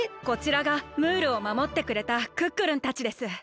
こちらがムールをまもってくれたクックルンたちです。